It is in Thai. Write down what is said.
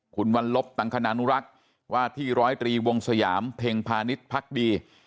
คุณวันลบตังคณานุรักษ์ว่าที่ร้อยตรีวงสยามเพ็งพาณิชย์พักดี